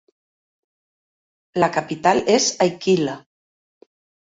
La capital és Aiquile.